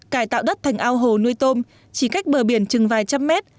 cải tạo đất thành ao hồ nuôi tôm chỉ cách bờ biển chừng vài trăm mét